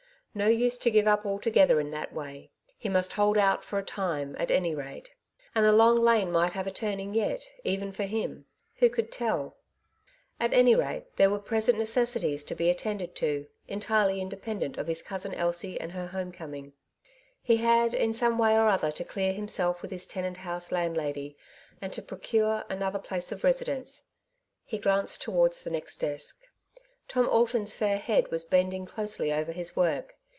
No use to give up altogether in that way; he must hold out for a time, at any rate ; and the long lane might have a turning yet, even for him ; who could tell ? At any rate there were present necessi ties to be attended to, entirely independent of his cousin Elsie and her home coming. He had, in some way or other, to clear himself with his Clement House landlady, and to procure another place of residence. He glanced towards the next desk. Tom Alton's Farewell to Clement House. 177 fair head was bending closely over his work.